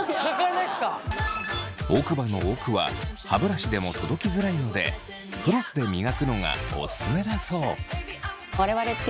奥歯の奥は歯ブラシでも届きづらいのでフロスで磨くのがオススメだそう。